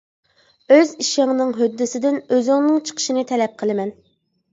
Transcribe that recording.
ئۆز ئىشىڭنىڭ ھۆددىسىدىن ئۆزۈڭنىڭ چىقىشىنى تەلەپ قىلىمەن.